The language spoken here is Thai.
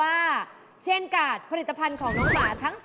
อ้าวแล้ว๓อย่างนี้แบบไหนราคาถูกที่สุด